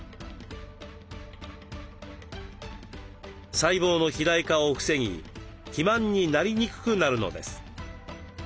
細胞の肥大化を防ぎ肥満になりにくくなるのです。